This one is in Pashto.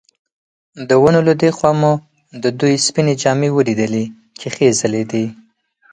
د ونو له دې خوا مو د دوی سپینې جامې ولیدلې چې ښې ځلېدې.